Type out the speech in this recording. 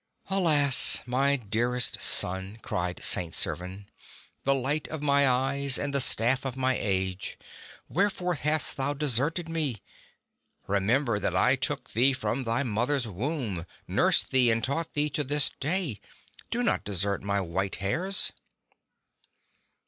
"Alas! my dearest son," cried St. Servan; "the light of my eyes, and the staf¥ of my age, wherefore hast thou de serted me? Remember that I took thee from thy mother's womb, nursed thee, and taught thee to this day. Do not desert my white hairs."